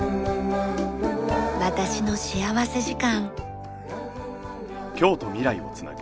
『私の幸福時間』。